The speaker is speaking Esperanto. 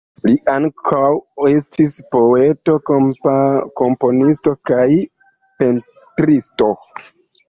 Li ankaŭ estis poeto, komponisto kaj pentristo.